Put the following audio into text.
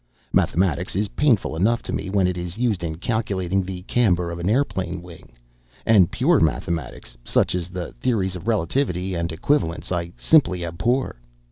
Mathematics is painful enough to me when it is used in calculating the camber of an airplane wing. And pure mathematics, such as the theories of relativity and equivalence, I simply abhor.